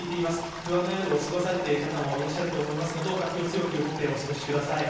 不安な夜を過ごされている方もいらっしゃると思いますがどうか気を強く持ってお過ごしください。